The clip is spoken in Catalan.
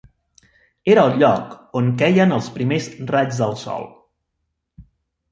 Era el lloc on queien els primers raigs del Sol.